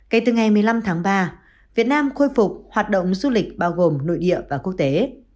kể từ ngày một mươi năm tháng ba việt nam khôi phục hoạt động du lịch bao gồm nội địa và quốc tế